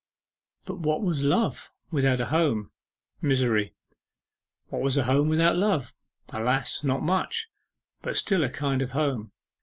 But what was love without a home? Misery. What was a home without love? Alas, not much; but still a kind of home.